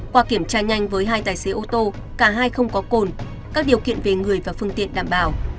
qua kiểm tra nhanh với hai tài xế ô tô cả hai không có cồn các điều kiện về người và phương tiện đảm bảo